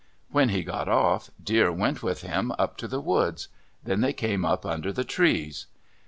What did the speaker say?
When he got off, Deer went with him up to the woods. Then they came up under the trees.